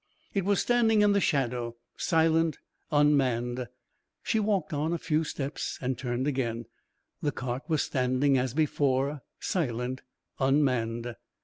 It was standing in the shadow, silent, unmanned. She walked on for a few steps and turned again. The cart was standing as before, silent, unmanned.